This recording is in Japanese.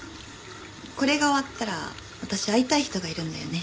これが終わったら私会いたい人がいるんだよね。